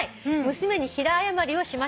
娘に平謝りをしました」